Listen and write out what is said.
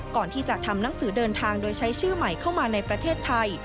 ก่อนที่จะทำหนังสือเดินทางโดยใช้ชื่อใหม่เข้ามาในประเทศไทย